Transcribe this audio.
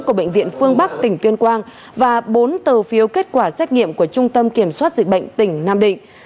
của bệnh viện phương bắc tỉnh tuyên quang và bốn tờ phiếu kết quả xét nghiệm của trung tâm kiểm soát dịch bệnh tỉnh nam định